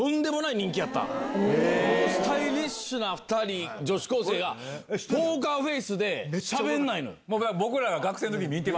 スタイリッシュな２人女子高生がポーカーフェースでしゃべんないのよ。